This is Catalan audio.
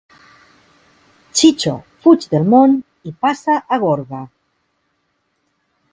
Xitxo, fuig del món i passa a Gorga!